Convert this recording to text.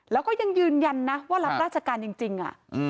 แล้วก็ยังยืนยันนะว่ารับราชการจริง